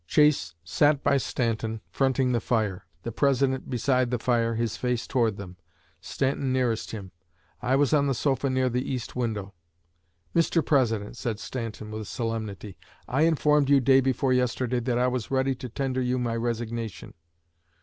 Chase sat by Stanton, fronting the fire; the President beside the fire, his face toward them, Stanton nearest him. I was on the sofa, near the east window. 'Mr. President,' said Stanton, with solemnity, 'I informed you day before yesterday that I was ready to tender you my resignation.